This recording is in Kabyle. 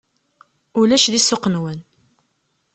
Ulac di ssuq-nwen!